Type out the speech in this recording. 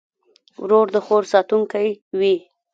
ورور د خور ساتونکی وي.